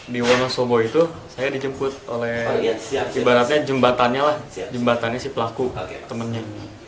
di wonosobo itu saya dijemput oleh ibaratnya jembatannya lah jembatannya si pelaku temannya